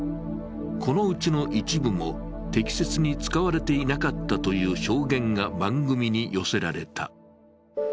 このうちの一部も適切に使われていなかったという証言が番組に寄せられた。